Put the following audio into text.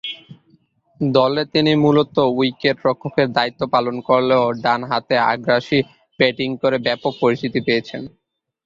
দলে তিনি মূলতঃ উইকেট-রক্ষকের দায়িত্ব পালন করলেও ডানহাতে আগ্রাসী ব্যাটিং করে ব্যাপক পরিচিতি পেয়েছেন।